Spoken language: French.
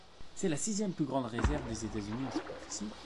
C'est la sixième plus grande réserve des États-Unis en superficie.